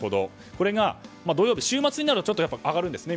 これが土曜日、週末になるとちょっと上がるんですね。